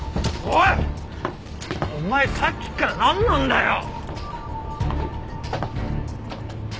お前さっきからなんなんだよ！？